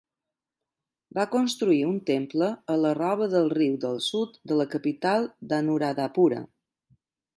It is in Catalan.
Va construir un temple a la roba del riu del sud de la capital Anuradhapura.